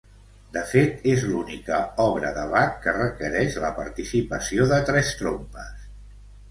De fet és l'única obra de Bach que requereix la participació de tres trompes.